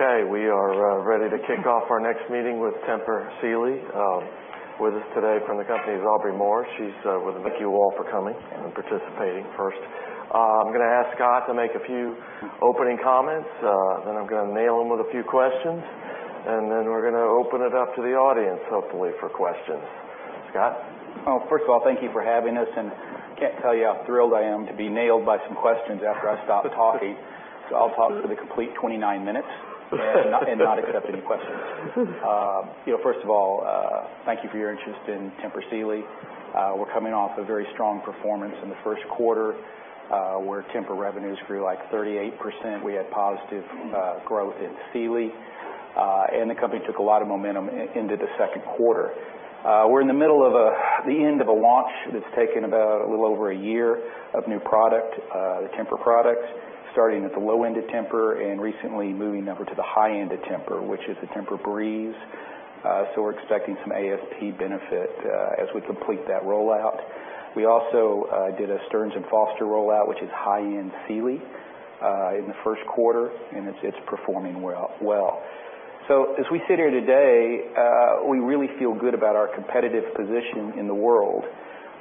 Okay, we are ready to kick off our next meeting with Tempur Sealy. With us today from the company is Aubrey Moore. Thank you all for coming and participating first. I'm going to ask Scott to make a few opening comments, then I'm going to nail him with a few questions, then we're going to open it up to the audience, hopefully, for questions. Scott? Well, first of all, thank you for having us. I can't tell you how thrilled I am to be nailed by some questions after I stop talking. I'll talk for the complete 29 minutes and not accept any questions. First of all, thank you for your interest in Tempur Sealy. We're coming off a very strong performance in the first quarter, where Tempur revenues grew 38%. We had positive growth in Sealy. The company took a lot of momentum into the second quarter. We're in the middle of the end of a launch that's taken about a little over 1 year of new product, the Tempur products, starting at the low end of Tempur and recently moving over to the high end of Tempur, which is the TEMPUR-breeze. We're expecting some ASP benefit as we complete that rollout. We also did a Stearns & Foster rollout, which is high-end Sealy, in the first quarter, it's performing well. As we sit here today, we really feel good about our competitive position in the world.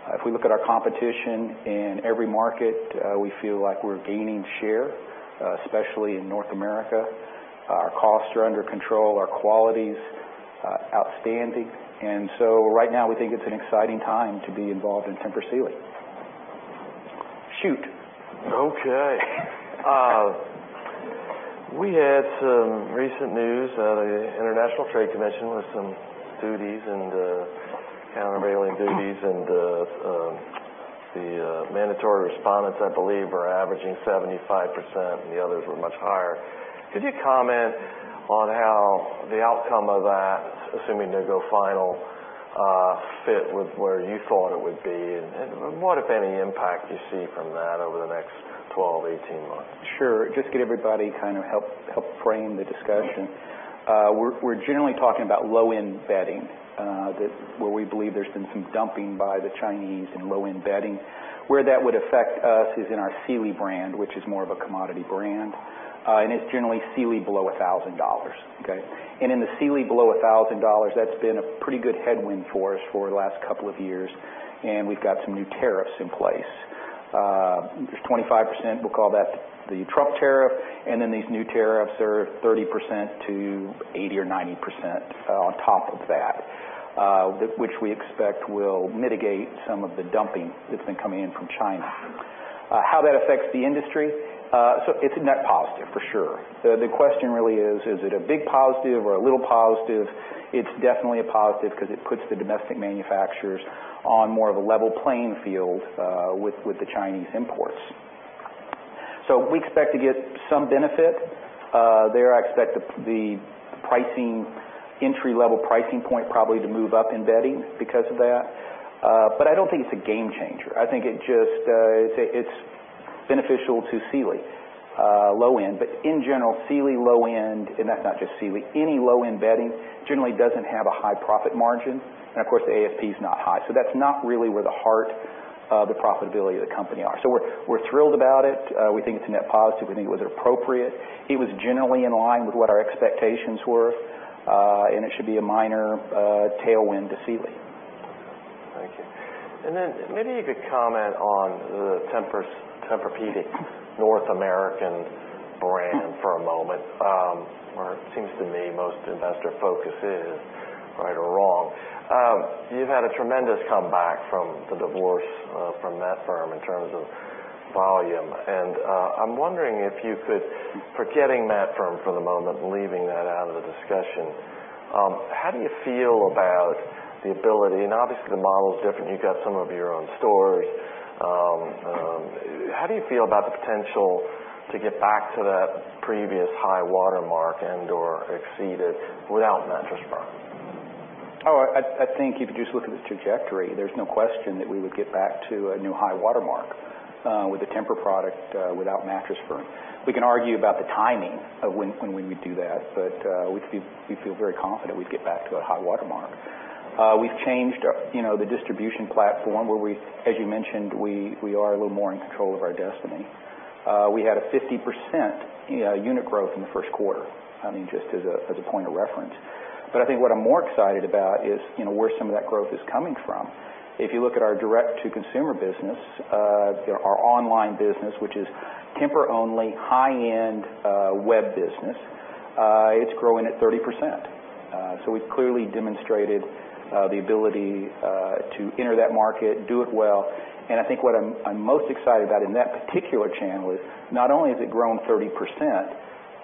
If we look at our competition in every market, we feel like we're gaining share, especially in North America. Our costs are under control, our quality's outstanding. Right now, we think it's an exciting time to be involved in Tempur Sealy. Shoot. Okay. We had some recent news out of the International Trade Commission with some duties and the countervailing duties. The mandatory respondents, I believe, are averaging 75%. The others were much higher. Could you comment on how the outcome of that, assuming they go final, fit with where you thought it would be, and what, if any, impact you see from that over the next 12, 18 months? Sure. Just to give everybody, kind of help frame the discussion, we're generally talking about low-end bedding, where we believe there's been some dumping by the Chinese in low-end bedding. Where that would affect us is in our Sealy brand, which is more of a commodity brand. It's generally Sealy below $1,000, okay? In the Sealy below $1,000, that's been a pretty good headwind for us for the last couple of years, and we've got some new tariffs in place. There's 25%, we'll call that the Trump tariff, and then these new tariffs are 30% to 80 or 90% on top of that, which we expect will mitigate some of the dumping that's been coming in from China. How that affects the industry? It's a net positive, for sure. The question really is: Is it a big positive or a little positive? It's definitely a positive because it puts the domestic manufacturers on more of a level playing field with the Chinese imports. We expect to get some benefit. There, I expect the entry-level pricing point probably to move up in bedding because of that, but I don't think it's a game changer. I think it's beneficial to Sealy low end. In general, Sealy low end, and that's not just Sealy, any low-end bedding generally doesn't have a high profit margin. Of course, the ASP's not high. That's not really where the heart of the profitability of the company are. We're thrilled about it. We think it's a net positive. We think it was appropriate. It was generally in line with what our expectations were. It should be a minor tailwind to Sealy. Thank you. Then maybe you could comment on the Tempur-Pedic North American brand for a moment. Where it seems to me most investor focus is, right or wrong. You've had a tremendous comeback from the divorce from Mattress Firm in terms of volume. I'm wondering if you could, forgetting Mattress Firm for the moment, leaving that out of the discussion, how do you feel about the ability. Obviously, the model is different. You've got some of your own stores. How do you feel about the potential to get back to that previous high watermark and/or exceed it without Mattress Firm? I think if you just look at the trajectory, there's no question that we would get back to a new high watermark with the Tempur product without Mattress Firm. We can argue about the timing of when we would do that, but we feel very confident we'd get back to a high watermark. We've changed the distribution platform where we, as you mentioned, we are a little more in control of our destiny. We had a 50% unit growth in the first quarter, just as a point of reference. I think what I'm more excited about is where some of that growth is coming from. If you look at our direct-to-consumer business, our online business, which is Tempur only, high-end web business, it's growing at 30%. We've clearly demonstrated the ability to enter that market, do it well, and I think what I'm most excited about in that particular channel is not only has it grown 30%,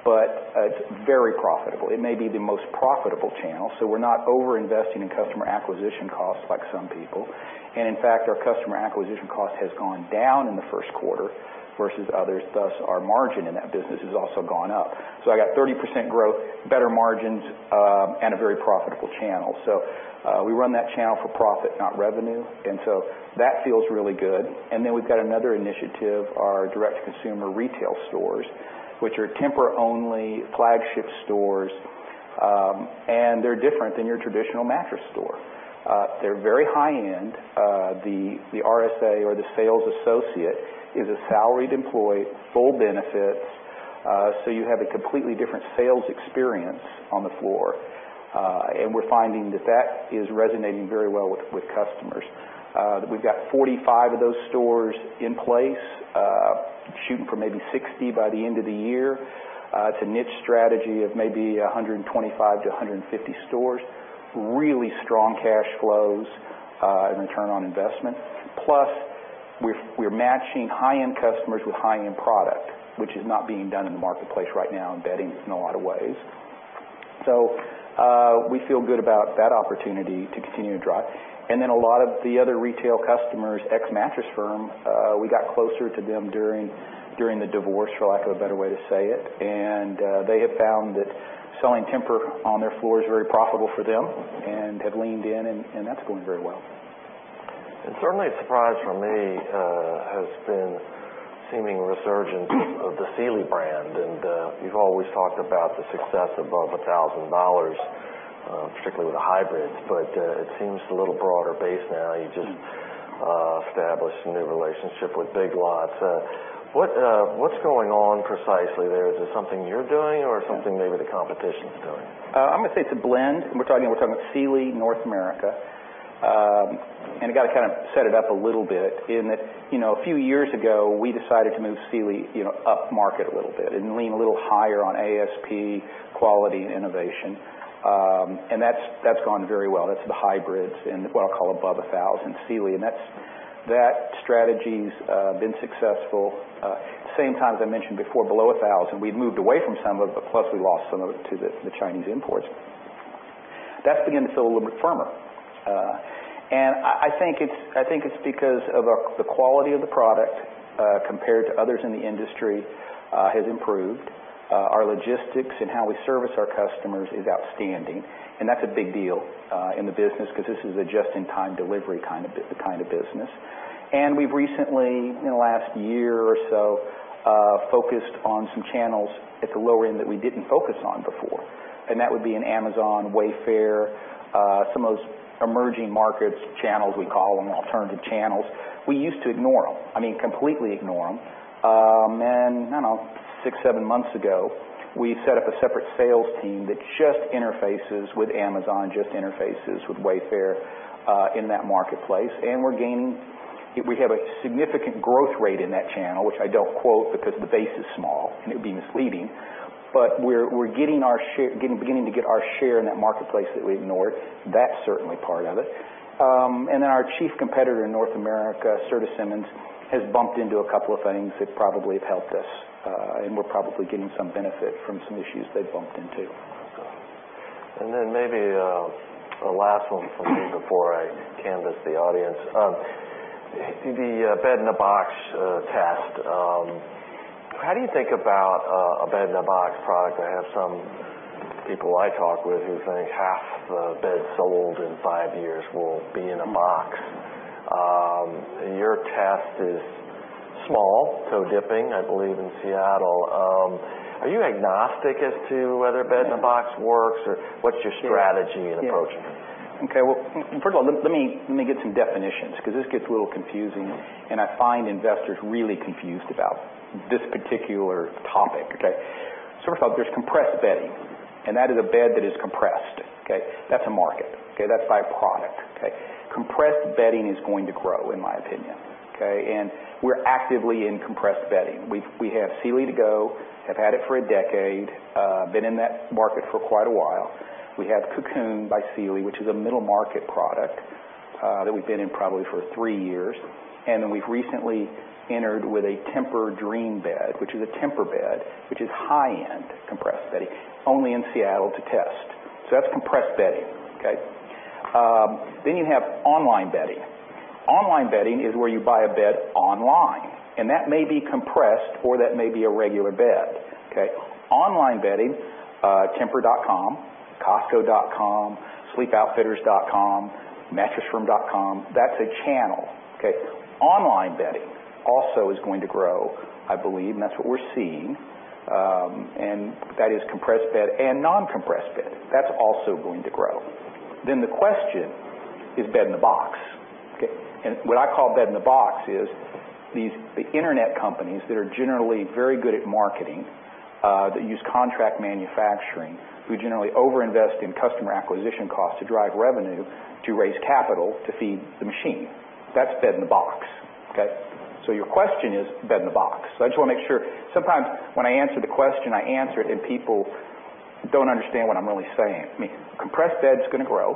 but it's very profitable. It may be the most profitable channel, we're not over-investing in customer acquisition costs like some people. In fact, our customer acquisition cost has gone down in the first quarter versus others, thus our margin in that business has also gone up. I got 30% growth, better margins, and a very profitable channel. We run that channel for profit, not revenue, that feels really good. We've got another initiative, our direct-to-consumer retail stores, which are Tempur only flagship stores. They're different than your traditional mattress store. They're very high-end. The RSA or the sales associate is a salaried employee, full benefits, you have a completely different sales experience on the floor. We're finding that is resonating very well with customers. We've got 45 of those stores in place, shooting for maybe 60 by the end of the year. It's a niche strategy of maybe 125 to 150 stores. Really strong cash flows and return on investment. Plus, we're matching high-end customers with high-end product, which is not being done in the marketplace right now in bedding in a lot of ways. We feel good about that opportunity to continue to drive. A lot of the other retail customers, ex Mattress Firm, we got closer to them during the divorce, for lack of a better way to say it. They have found that selling Tempur on their floor is very profitable for them, that's going very well. Certainly a surprise for me has been seeming resurgence of the Sealy brand. You've always talked about the success above $1,000, particularly with the hybrids, it seems a little broader base now. You just established a new relationship with Big Lots. What's going on precisely there? Is this something you're doing or something maybe the competition's doing? I'm going to say it's a blend. We're talking about Sealy North America. I've got to set it up a little bit in that, a few years ago, we decided to move Sealy upmarket a little bit and lean a little higher on ASP quality and innovation, and that's gone very well. That's the hybrids and what I'll call above 1,000 Sealy, and that strategy's been successful. Same time, as I mentioned before, below 1,000, we've moved away from some of it, but plus we lost some of it to the Chinese imports. That's beginning to feel a little bit firmer. I think it's because of the quality of the product compared to others in the industry has improved. Our logistics and how we service our customers is outstanding, and that's a big deal in the business because this is a just-in-time delivery kind of business. We've recently, in the last year or so, focused on some channels at the lower end that we didn't focus on before, and that would be in Amazon, Wayfair, some of those emerging markets channels, we call them, alternative channels. We used to ignore them, completely ignore them. I don't know, six, seven months ago, we set up a separate sales team that just interfaces with Amazon, just interfaces with Wayfair in that marketplace. We have a significant growth rate in that channel, which I don't quote because the base is small and it would be misleading, but we're beginning to get our share in that marketplace that we ignored. That's certainly part of it. Our chief competitor in North America, Serta Simmons, has bumped into a couple of things that probably have helped us, and we're probably getting some benefit from some issues they've bumped into. Maybe a last one from me before I canvas the audience. The bed-in-a-box test. How do you think about a bed-in-a-box product? I have some people I talk with who think half the beds sold in five years will be in a box. Your test is small, toe dipping, I believe in Seattle. Are you agnostic as to whether bed-in-a-box works or what's your strategy and approach? Well, first of all, let me give some definitions because this gets a little confusing and I find investors really confused about this particular topic. First off, there's compressed bedding. That is a bed that is compressed. That's a market. That's by product. Compressed bedding is going to grow, in my opinion. We're actively in compressed bedding. We have Sealy to Go, have had it for a decade, been in that market for quite a while. We have Cocoon by Sealy, which is a middle-market product that we've been in probably for three years. We've recently entered with a Tempur Dream Bed, which is a Tempur bed, which is high-end compressed bedding, only in Seattle to test. That's compressed bedding. You have online bedding. Online bedding is where you buy a bed online. That may be compressed or that may be a regular bed. Online bedding, tempur.com, costco.com, sleepoutfitters.com, mattressfirm.com, that's a channel. Online bedding also is going to grow, I believe, and that's what we're seeing, and that is compressed bed and non-compressed bed. That's also going to grow. The question is bed-in-a-box. What I call bed-in-a-box is these internet companies that are generally very good at marketing, that use contract manufacturing, who generally over-invest in customer acquisition costs to drive revenue to raise capital to feed the machine. That's bed-in-a-box. Your question is bed-in-a-box. I just want to make sure. Sometimes when I answer the question, I answer it and people don't understand what I'm really saying. Compressed bed's going to grow.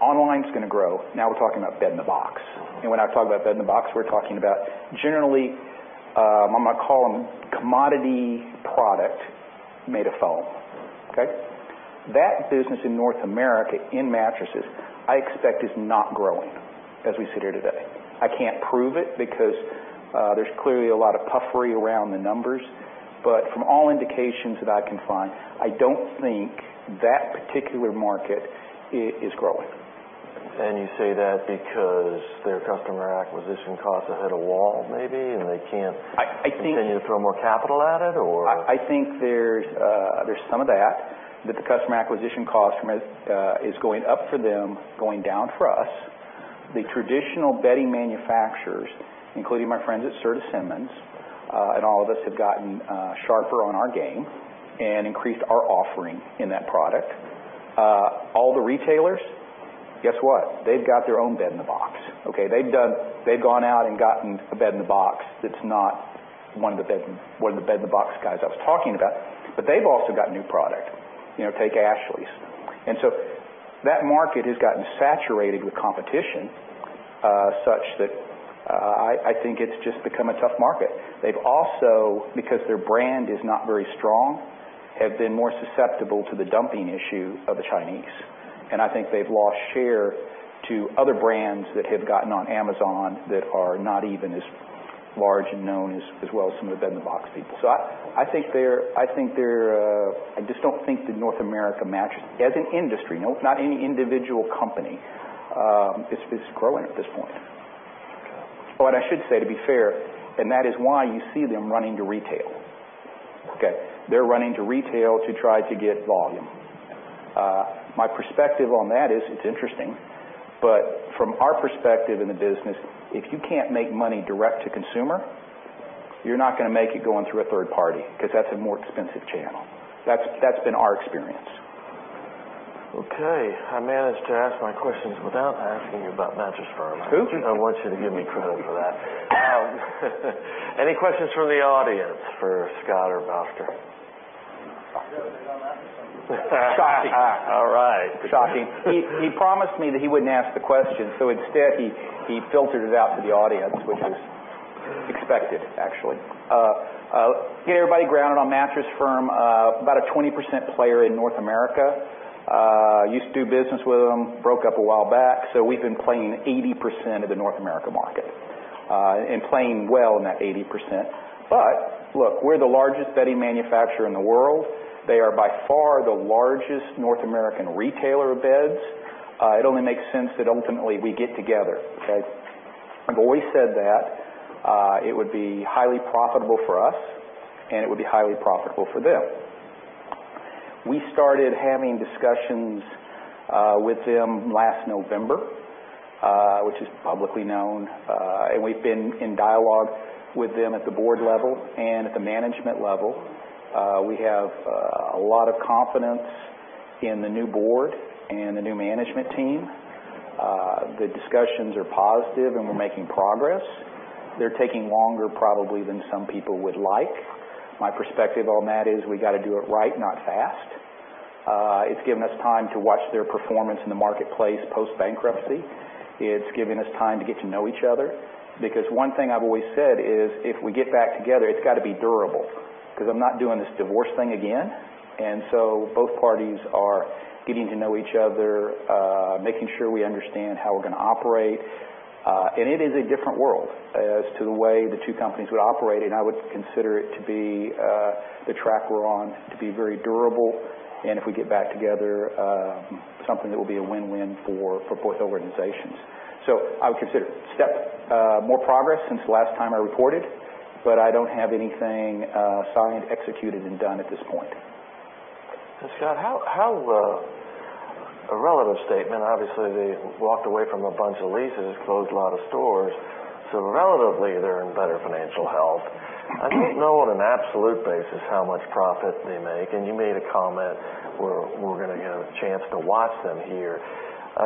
Online's going to grow. Now we're talking about bed-in-a-box. When I talk about bed-in-a-box, we're talking about generally, I'm going to call them commodity product made of foam. That business in North America in mattresses I expect is not growing as we sit here today. I can't prove it because there's clearly a lot of puffery around the numbers, but from all indications that I can find, I don't think that particular market is growing. You say that because their customer acquisition costs have hit a wall, maybe, and they can't-. I think continue to throw more capital at it, or? I think there's some of that. The customer acquisition cost is going up for them, going down for us. The traditional bedding manufacturers, including my friends at Serta Simmons, and all of us have gotten sharper on our game and increased our offering in that product. All the retailers, guess what? They've got their own bed-in-a-box. Okay? They've gone out and gotten a bed-in-a-box that's not one of the bed-in-a-box guys I was talking about, but they've also got new product. Take Ashley's. That market has gotten saturated with competition, such that I think it's just become a tough market. They've also, because their brand is not very strong, have been more susceptible to the dumping issue of the Chinese, and I think they've lost share to other brands that have gotten on Amazon that are not even as large and known as well as some of the bed-in-a-box people. I just don't think that North America mattress, as an industry, nope, not any individual company, is growing at this point. Okay. I should say, to be fair, that is why you see them running to retail. Okay? They're running to retail to try to get volume. My perspective on that is, it's interesting, from our perspective in the business, if you can't make money direct to consumer, you're not going to make it going through a third party, because that's a more expensive channel. That's been our experience. Okay. I managed to ask my questions without asking you about Mattress Firm. Who? I want you to give me credit for that. Any questions from the audience for Scott or Buster? No, they all asked me. Shocking. All right. Shocking. He promised me that he wouldn't ask the question. Instead he filtered it out to the audience, which is expected, actually. To get everybody grounded on Mattress Firm, about a 20% player in North America. Used to do business with them, broke up a while back. We've been playing 80% of the North America market. Playing well in that 80%. Look, we're the largest bedding manufacturer in the world. They are by far the largest North American retailer of beds. It only makes sense that ultimately we get together. Okay? I've always said that it would be highly profitable for us and it would be highly profitable for them. We started having discussions with them last November, which is publicly known. We've been in dialogue with them at the board level and at the management level. We have a lot of confidence in the new board and the new management team. The discussions are positive and we're making progress. They're taking longer probably than some people would like. My perspective on that is we got to do it right, not fast. It's given us time to watch their performance in the marketplace post-bankruptcy. It's given us time to get to know each other. One thing I've always said is if we get back together, it's got to be durable, because I'm not doing this divorce thing again. Both parties are getting to know each other, making sure we understand how we're going to operate. It is a different world as to the way the two companies would operate. I would consider it to be, the track we're on, to be very durable and, if we get back together, something that will be a win-win for both organizations. I would consider it a step. More progress since the last time I reported. I don't have anything signed, executed, and done at this point. Scott, a relative statement. Obviously, they walked away from a bunch of leases, closed a lot of stores. Relatively, they're in better financial health. I don't know on an absolute basis how much profit they make, and you made a comment, "We're going to get a chance to watch them here."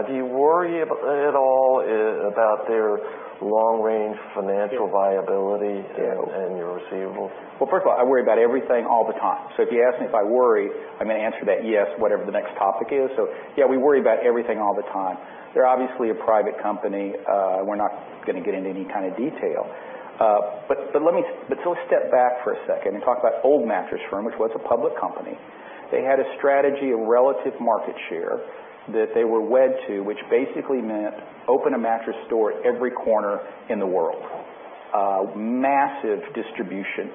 Do you worry at all about their long-range financial viability- Yeah Your receivables? Well, first of all, I worry about everything all the time. If you ask me if I worry, I'm going to answer that yes, whatever the next topic is. Yeah, we worry about everything all the time. They're obviously a private company. We're not going to get into any kind of detail. Let's step back for a second and talk about old Mattress Firm, which was a public company. They had a strategy of relative market share that they were wed to, which basically meant open a mattress store at every corner in the world. Massive distribution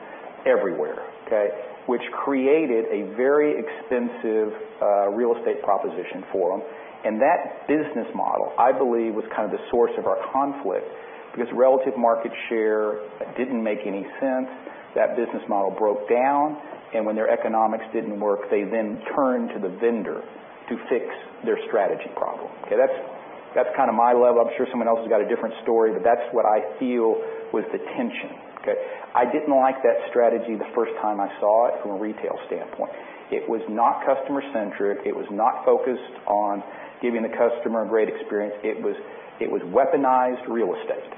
everywhere. Okay? Which created a very expensive real estate proposition for them. That business model, I believe, was kind of the source of our conflict because relative market share didn't make any sense. That business model broke down, and when their economics didn't work, they then turned to the vendor to fix their strategy problem. Okay? That's my level. I'm sure someone else has got a different story, but that's what I feel was the tension. Okay? I didn't like that strategy the first time I saw it from a retail standpoint. It was not customer-centric. It was not focused on giving the customer a great experience. It was weaponized real estate,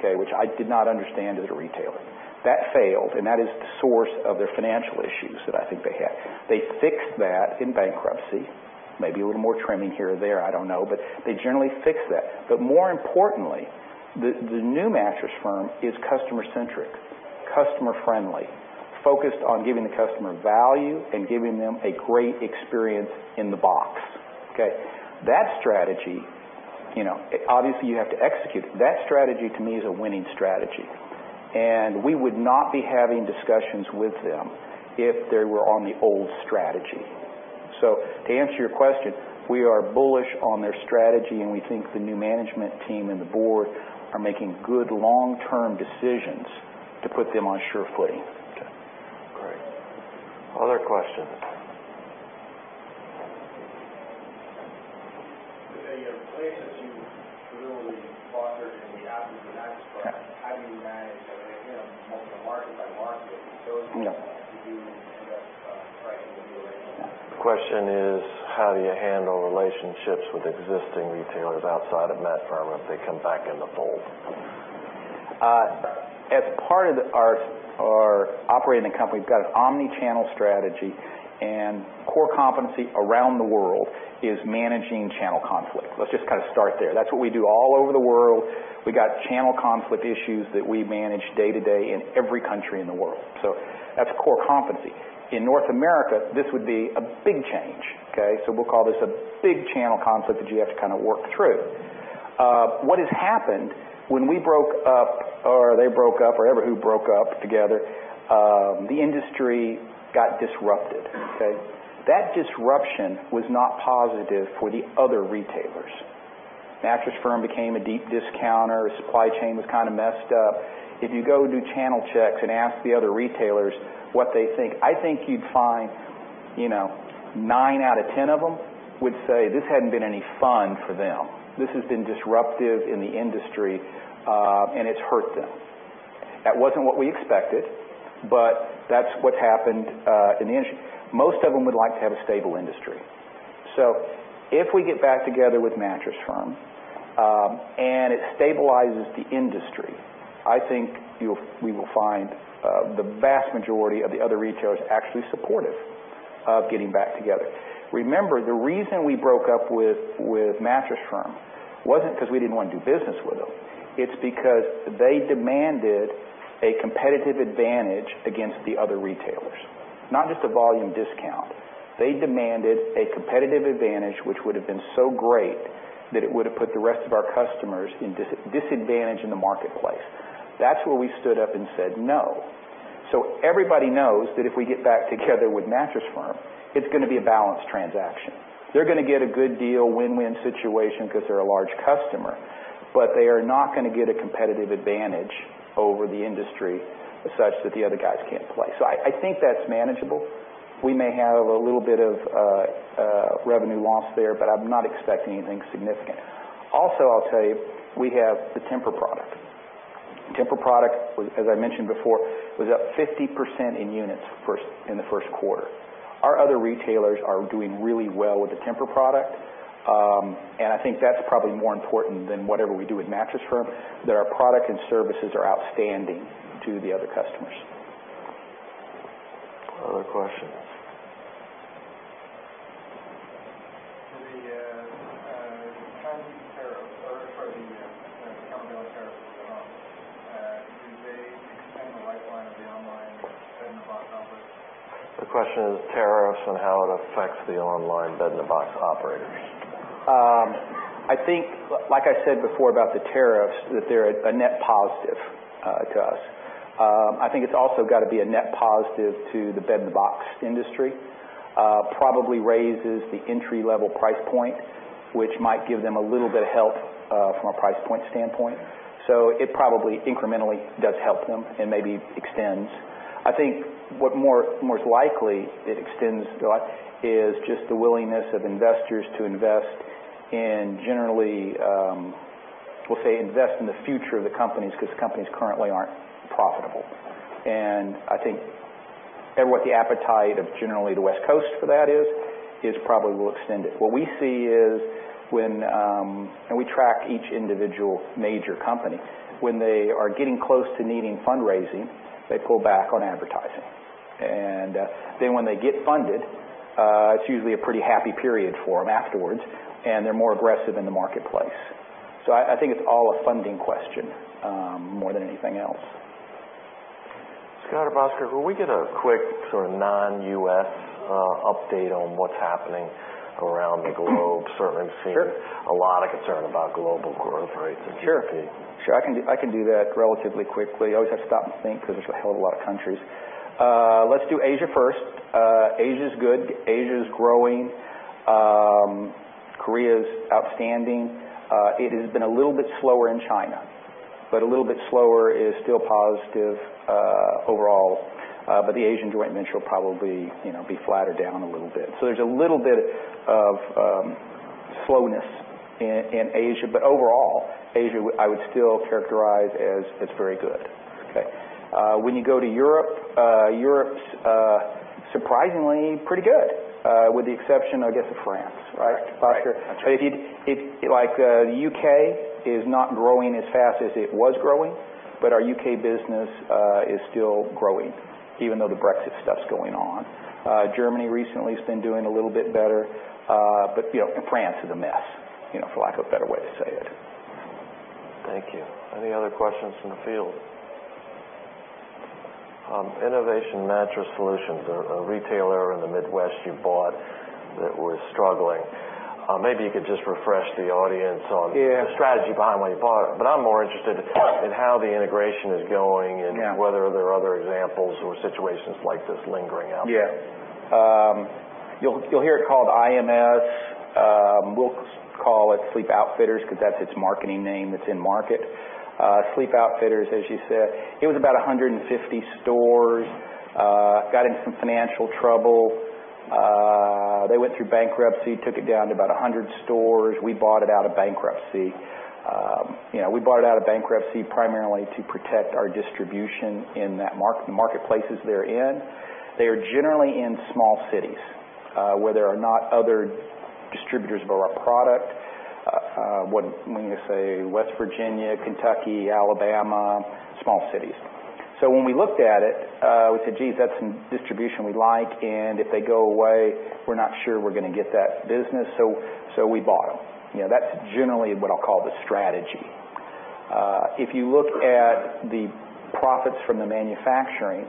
okay, which I did not understand as a retailer. That failed, and that is the source of their financial issues that I think they had. They fixed that in bankruptcy. Maybe a little more trimming here or there, I don't know, but they generally fixed that. More importantly, the new Mattress Firm is customer-centric, customer friendly, focused on giving the customer value and giving them a great experience in the box. Okay? That strategy, obviously you have to execute, that strategy to me is a winning strategy. We would not be having discussions with them if they were on the old strategy. To answer your question, we are bullish on their strategy, and we think the new management team and the board are making good long-term decisions to put them on sure footing. Okay. Great. Other questions? With the places you've really fostered [in the Mattress Firm expert], how do you manage multiple market by market associates No to end up trying to do a relationship? The question is, how do you handle relationships with existing retailers outside of Mattress Firm if they come back in the fold? As part of our operating the company, we've got an omnichannel strategy and core competency around the world is managing channel conflict. Let's just start there. That's what we do all over the world. We got channel conflict issues that we manage day-to-day in every country in the world. That's a core competency. In North America, this would be a big change. Okay? We'll call this a big channel conflict that you have to work through. What has happened, when we broke up or they broke up or whatever, who broke up together, the industry got disrupted, okay? That disruption was not positive for the other retailers. Mattress Firm became a deep discounter. Supply chain was kind of messed up. If you go do channel checks and ask the other retailers what they think, I think you'd find nine out of 10 of them would say this hadn't been any fun for them. This has been disruptive in the industry, and it's hurt them. That wasn't what we expected, but that's what's happened. Most of them would like to have a stable industry. If we get back together with Mattress Firm, and it stabilizes the industry, I think we will find the vast majority of the other retailers actually supportive of getting back together. Remember, the reason we broke up with Mattress Firm wasn't because we didn't want to do business with them. It's because they demanded a competitive advantage against the other retailers, not just a volume discount. They demanded a competitive advantage, which would've been so great that it would've put the rest of our customers in disadvantage in the marketplace. That's where we stood up and said no. Everybody knows that if we get back together with Mattress Firm, it's going to be a balanced transaction. They're going to get a good deal, win-win situation because they're a large customer, but they are not going to get a competitive advantage over the industry as such that the other guys can't play. I think that's manageable. We may have a little bit of revenue loss there, but I'm not expecting anything significant. Also, I'll tell you, we have the Tempur product. Tempur product, as I mentioned before, was up 50% in units in the first quarter. Our other retailers are doing really well with the Tempur product. I think that's probably more important than whatever we do with Mattress Firm, that our product and services are outstanding to the other customers. Other questions. With the tariffs or, sorry, the countervailing tariffs with Trump, do they extend the lifeline of the online bed-in-a-box operators? The question is tariffs and how it affects the online bed-in-a-box operators. I think, like I said before about the tariffs, that they're a net positive to us. I think it's also got to be a net positive to the bed-in-a-box industry. Probably raises the entry-level price point, which might give them a little bit of help from a price point standpoint. It probably incrementally does help them and maybe extends. I think what most likely it extends to us is just the willingness of investors to invest in generally, we'll say invest in the future of the companies because the companies currently aren't profitable. I think what the appetite of generally the West Coast for that is probably will extend it. What we see is when we track each individual major company. When they are getting close to needing fundraising, they pull back on advertising. When they get funded, it's usually a pretty happy period for them afterwards, and they're more aggressive in the marketplace. I think it's all a funding question more than anything else. Scott or Buster, can we get a quick sort of non-U.S. update on what's happening around the globe? Certainly have seen. Sure a lot of concern about global growth rates recently. Sure. I can do that relatively quickly. I always have to stop and think because there's a hell of a lot of countries. Let's do Asia first. Asia's good. Asia's growing. Korea's outstanding. It has been a little bit slower in China, but a little bit slower is still positive overall. The Asian joint venture will probably be flatter down a little bit. There's a little bit of slowness in Asia. Overall, Asia, I would still characterize as it's very good. Okay. When you go to Europe's surprisingly pretty good. With the exception, I guess, of France, right? Right. Bhaskar. The U.K. is not growing as fast as it was growing, but our U.K. business is still growing, even though the Brexit stuff's going on. Germany recently has been doing a little bit better. France is a mess, for lack of a better way to say it. Thank you. Any other questions from the field? Innovative Mattress Solutions, a retailer in the Midwest you bought that was struggling. Maybe you could just refresh the audience on- Yeah the strategy behind why you bought it. I'm more interested in how the integration is going. Yeah Whether there are other examples or situations like this lingering out there. Yeah. You'll hear it called IMS. We'll call it Sleep Outfitters because that's its marketing name that's in market. Sleep Outfitters, as you said, it was about 150 stores. Got into some financial trouble. They went through bankruptcy, took it down to about 100 stores. We bought it out of bankruptcy. We bought it out of bankruptcy primarily to protect our distribution in that marketplaces they're in. They are generally in small cities, where there are not other distributors of our product. What am I going to say? West Virginia, Kentucky, Alabama, small cities. When we looked at it, we said, "Gee, that's some distribution we'd like, and if they go away, we're not sure we're going to get that business," so we bought them. That's generally what I'll call the strategy. If you look at the profits from the manufacturing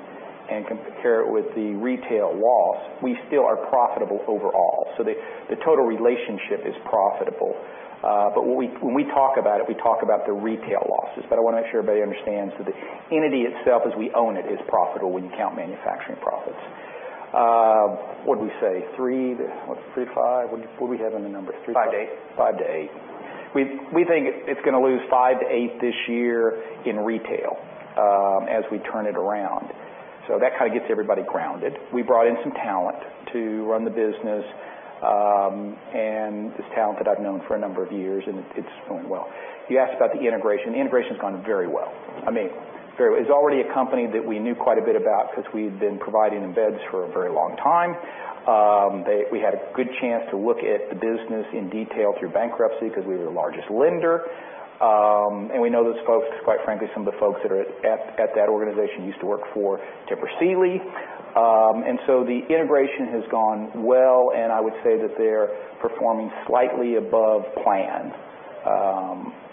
and compare it with the retail loss, we still are profitable overall, so the total relationship is profitable. When we talk about it, we talk about the retail losses. I want to make sure everybody understands that the entity itself as we own it is profitable when you count manufacturing profits. What'd we say? $3-$5. What did we have on the numbers? $5-$8. We think it's going to lose $5-$8 this year in retail as we turn it around. That kind of gets everybody grounded. We brought in some talent to run the business, and this talent that I've known for a number of years, and it's going well. You asked about the integration. The integration's gone very well. It's already a company that we knew quite a bit about because we had been providing them beds for a very long time. We had a good chance to look at the business in detail through bankruptcy because we were the largest lender. We know those folks, quite frankly, some of the folks that are at that organization used to work for Tempur Sealy. The integration has gone well, and I would say that they're performing slightly above plan.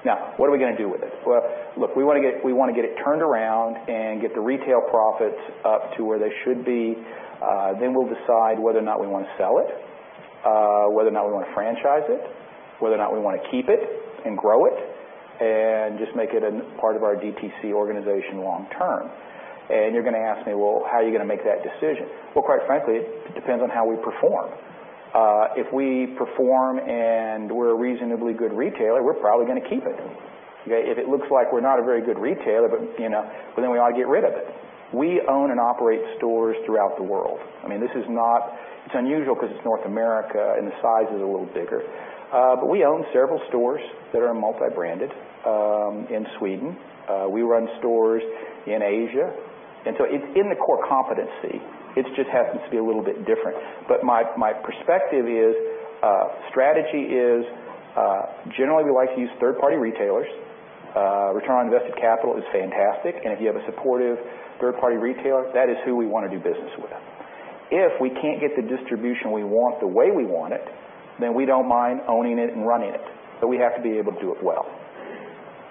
Now, what are we going to do with it? Well, look, we want to get it turned around and get the retail profits up to where they should be. We'll decide whether or not we want to sell it, whether or not we want to franchise it, whether or not we want to keep it and grow it and just make it a part of our DTC organization long term. You're going to ask me, "Well, how are you going to make that decision?" Well, quite frankly, it depends on how we perform. If we perform and we're a reasonably good retailer, we're probably going to keep it. If it looks like we're not a very good retailer, we ought to get rid of it. We own and operate stores throughout the world. It's unusual because it's North America, and the size is a little bigger. We own several stores that are multi-branded in Sweden. We run stores in Asia, it's in the core competency. It just happens to be a little bit different. My perspective is, strategy is, generally, we like to use third-party retailers. Return on invested capital is fantastic, and if you have a supportive third-party retailer, that is who we want to do business with. If we can't get the distribution we want the way we want it, we don't mind owning it and running it. We have to be able to do it well.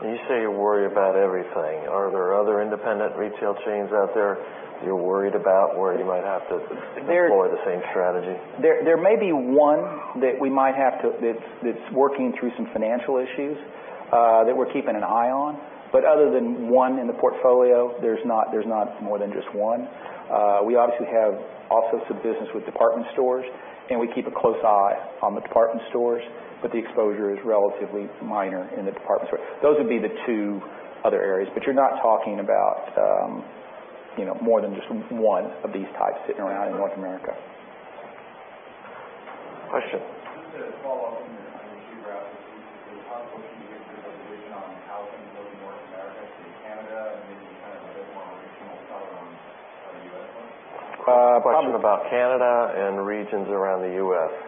When you say you worry about everything, are there other independent retail chains out there you're worried about where you might have to deploy the same strategy? There may be one that's working through some financial issues, that we're keeping an eye on. Other than one in the portfolio, there's not more than just one. We obviously have also some business with department stores, and we keep a close eye on the department stores, but the exposure is relatively minor in the department stores. Those would be the two other areas, but you're not talking about more than just one of these types sitting around in North America. Question. Just to follow up on your geographic piece, is it possible to give your prediction on how things look in North America, say Canada, and maybe kind of a bit more regional color on the U.S. ones? Question about Canada and regions around the U.S.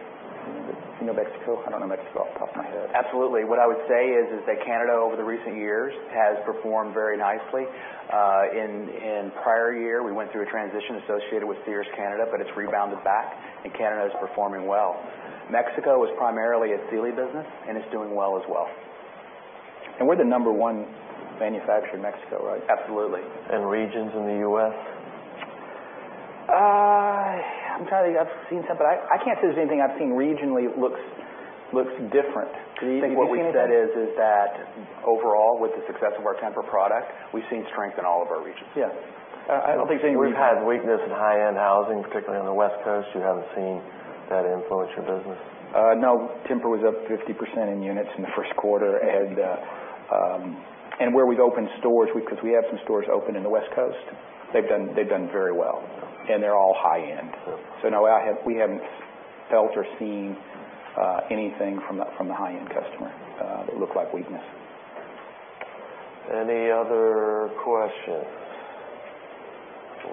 Do you know Mexico? I don't know Mexico off the top of my head. Absolutely. What I would say is that Canada, over the recent years, has performed very nicely. In prior year, we went through a transition associated with Sears Canada, but it's rebounded back, and Canada is performing well. Mexico was primarily a Sealy business and is doing well as well. We're the number 1 manufacturer in Mexico, right? Absolutely. Regions in the U.S.? I've seen some, I can't say there's anything I've seen regionally looks different. I think what we said is that overall, with the success of our Tempur product, we've seen strength in all of our regions. Yeah. I don't think we've seen- You've had weakness in high-end housing, particularly on the West Coast. You haven't seen that influence your business? No. Tempur was up 50% in units in the first quarter. Where we've opened stores, because we have some stores open in the West Coast, they've done very well. They're all high-end. No, we haven't felt or seen anything from the high-end customer that looked like weakness. Any other questions?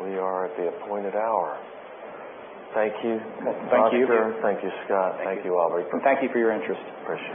We are at the appointed hour. Thank you, Foster. Thank you. Thank you, Scott. Thank you, Aubrey. Thank you for your interest. Appreciate it.